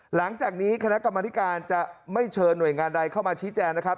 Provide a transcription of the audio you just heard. หลังจากนี้คณะกรรมธิการจะไม่เชิญหน่วยงานใดเข้ามาชี้แจงนะครับ